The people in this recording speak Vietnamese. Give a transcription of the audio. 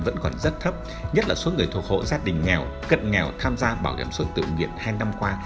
vẫn còn rất thấp nhất là số người thuộc hộ gia đình nghèo cận nghèo tham gia bảo kiểm sổ tự nguyện hai năm qua